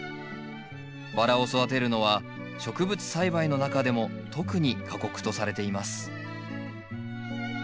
バラを育てるのは植物栽培の中でも特に過酷とされています。